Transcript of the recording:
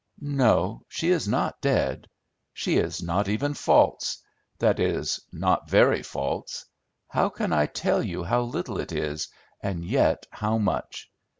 "No, she is not dead. She is not even false; that is, not very false. How can I tell you how little it is, and yet how much!